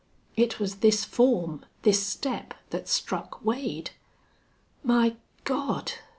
It was this form, this step that struck Wade. "My God!